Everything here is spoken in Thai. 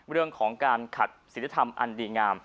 เรื่องของการขัดศิลธรรมอันดีงาม